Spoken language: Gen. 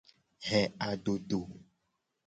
He adodo.